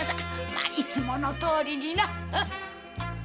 まあいつものとおりにな。